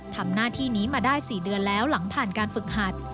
ทำหน้าที่นี้มาได้๔เดือนแล้วหลังผ่านการฝึกหัด